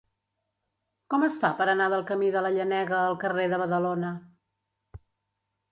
Com es fa per anar del camí de la Llenega al carrer de Badalona?